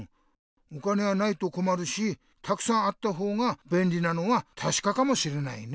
お金はないとこまるしたくさんあった方がべんりなのはたしかかもしれないね。